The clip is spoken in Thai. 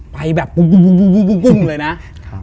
ไปแบบปุ้งเลยนะ